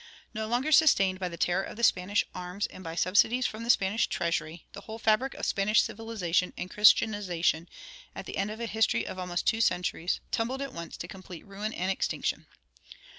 No longer sustained by the terror of the Spanish arms and by subsidies from the Spanish treasury, the whole fabric of Spanish civilization and Christianization, at the end of a history of almost two centuries, tumbled at once to complete ruin and extinction.